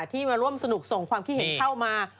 ที่มาร่วมสนุกส่งความคิดเห็นเข้ามา